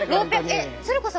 えっ鶴子さん